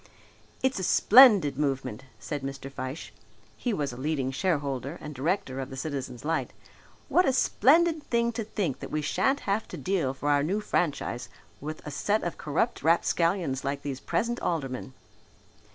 "It's a splendid movement!" said Mr. Fyshe (he was a leading shareholder and director of the Citizens' Light), "what a splendid thing to think that we shan't have to deal for our new franchise with a set of corrupt rapscallions like these present aldermen.